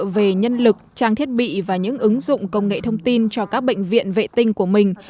về nhân lực trang thiết bị và những ứng dụng công nghệ thông tin cho các bệnh viện vệ tinh của mình